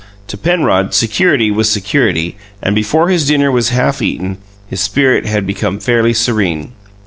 To Penrod, security was security, and before his dinner was half eaten his spirit had become fairly serene.